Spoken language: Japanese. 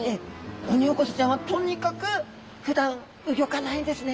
オニオコゼちゃんはとにかくふだん動かないですね。